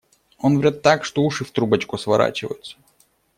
Он врёт так, что уши в трубочку сворачиваются.